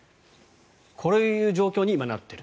こういう状況に今なっている。